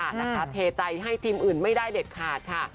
เทใจให้ทีมอื่นไม่ได้เด็ดขาดค่ะ